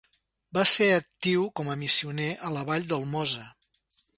Va ser actiu com a missioner a la vall del Mosa.